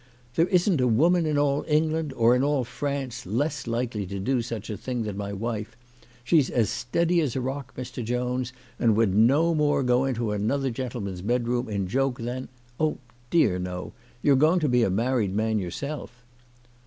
" There isn't a woman in all England, or in all France, less likely to do such a thing than my wife. She's as steady as a rock, Mr. Jones, and would no more go into another gentleman's bedroom in joke than Oh dear no ! You're going to be a mar ried man yourself."